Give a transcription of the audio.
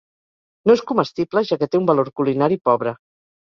No és comestible, ja que té un valor culinari pobre.